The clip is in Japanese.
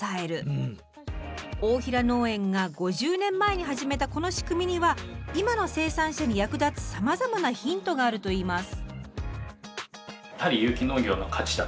大平農園が５０年前に始めたこの仕組みには今の生産者に役立つさまざまなヒントがあるといいます。